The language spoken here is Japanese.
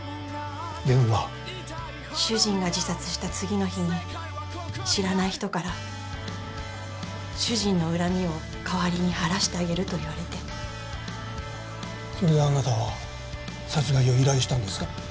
電話主人が自殺した次の日に知らない人から主人の恨みを代わりに晴らしてあげると言われてそれであなたは殺害を依頼したんですか？